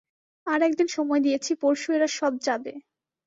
আর এক দিন সময় দিয়েছি পরশু এরা সব যাবে।